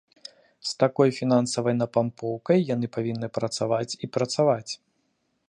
З такой фінансавай напампоўкай яны павінны працаваць і працаваць!